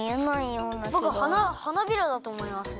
ぼく花びらだとおもいます。